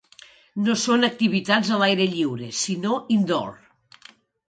No són activitats a l'aire lliure, sinó "indoor".